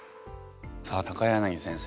さあ柳先生